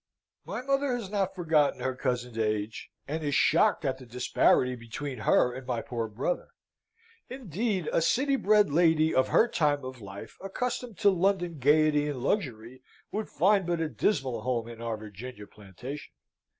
"My mother has not forgotten her cousin's age, and is shocked at the disparity between her and my poor brother. Indeed, a city bred lady of her time of life, accustomed to London gaiety and luxury, would find but a dismal home in our Virginian plantation.